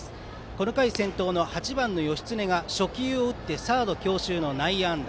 この回先頭の８番の義経が初球を打ってサード強襲の内野安打。